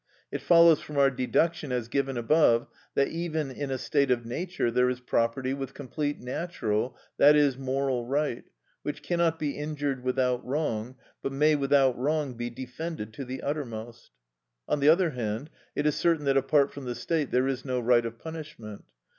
It follows from our deduction, as given above, that even in a state of nature there is property with complete natural, i.e., moral right, which cannot be injured without wrong, but may without wrong be defended to the uttermost. On the other hand, it is certain that apart from the state there is no right of punishment.